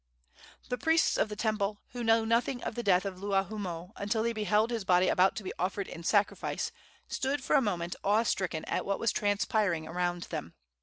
The priests of the temple, who knew nothing of the death of Luahoomoe until they beheld his body about to be offered in sacrifice, stood for a moment awe stricken at what was transpiring around them.